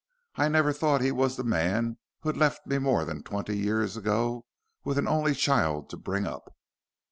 I never thought he was the man who had left me more than twenty years ago with an only child to bring up.